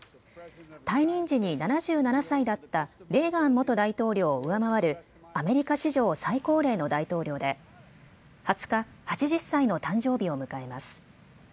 退任時に７７歳だったレーガン元大統領を上回るアメリカ史上最高齢の大統領で２０日、８０歳の誕生日を迎えます。